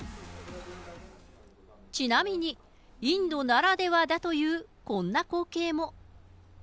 ちなみに、インドならではだというこんな光景も。